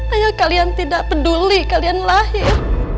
ayo kalian tidak peduli kalian lahir